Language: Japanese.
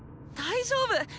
大丈夫！